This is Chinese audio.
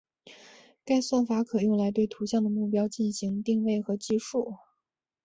该算法可用来对图像的目标进行定位和计数。